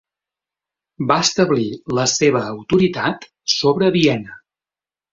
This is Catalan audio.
Va establir la seva autoritat sobre Viena.